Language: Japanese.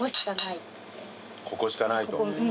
ここしかないと。